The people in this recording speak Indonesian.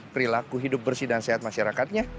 perilaku hidup bersih dan sehat masyarakatnya